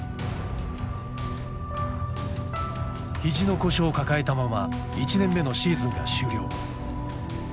肘の故障を抱えたまま１年目のシーズンが終了。